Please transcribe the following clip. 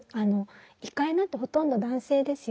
医会なんてほとんど男性ですよ。